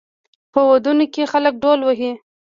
په ودونو کې خلک ډول وهي.